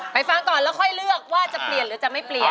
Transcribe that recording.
ฟังก่อนแล้วค่อยเลือกว่าจะเปลี่ยนหรือจะไม่เปลี่ยน